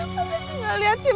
mas ardi gak liat sih